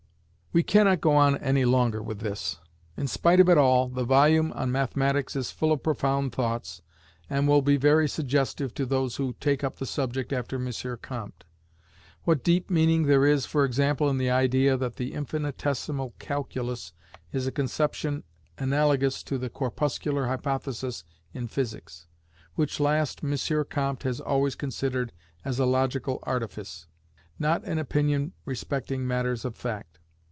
We cannot go on any longer with this. In spite of it all, the volume on mathematics is full of profound thoughts, and will be very suggestive to those who take up the subject after M. Comte. What deep meaning there is, for example, in the idea that the infinitesimal calculus is a conception analogous to the corpuscular hypothesis in physics; which last M. Comte has always considered as a logical artifice; not an opinion respecting matters of fact.